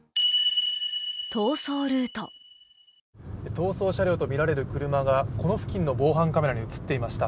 逃走車両とみられる車がこの付近の防犯カメラに映っていました。